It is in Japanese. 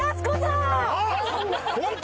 ホント！？